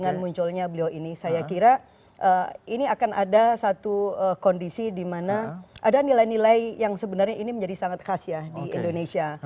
dan misalnya beliau ini saya kira ini akan ada satu kondisi di mana ada nilai nilai yang sebenarnya ini menjadi sangat khas ya di indonesia